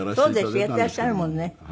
そうやってらっしゃるもんね。